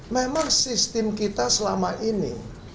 memang sistem kita selama ini